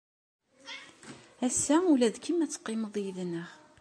Ass-a ula d kemm ad teqqimeḍ yid-neɣ.